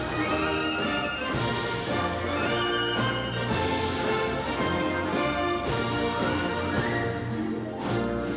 pemenangan peleg dan pilpres dua ribu dua puluh empat